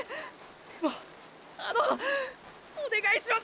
でもっあのっお願いします